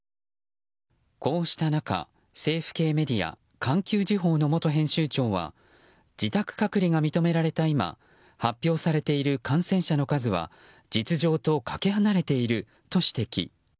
こうした中、政府系メディア環球時報の元編集長は自宅隔離が認められた今発表されている感染者の数は実情とかけ離れていると指摘。